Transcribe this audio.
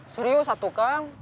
serius satu kang